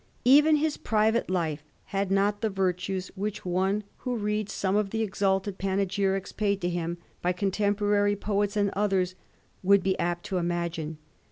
Even his private life had not the virtues which one who reads some of the exalted panegyrics paid to him by contemporary poets and others would be apt to imagine.